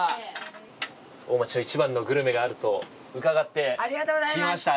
大町でイチバンのグルメがあると伺って来ました。